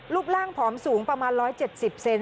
รูปร่างผอมสูงประมาณ๑๗๐เซน